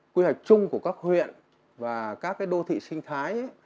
quy hoạch chung của các huyện và các đô thị sinh thái